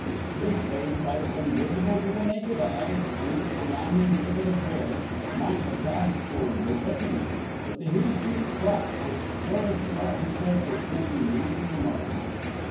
His face, had it been visible to the naked eye, through the surrounding thicket of hair, might have passed for good looking; but the hirsute crop which flourished about his head was something really remarkable.